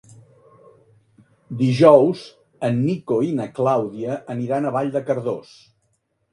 Dijous en Nico i na Clàudia aniran a Vall de Cardós.